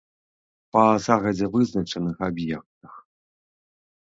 Па загадзя вызначаных аб'ектах.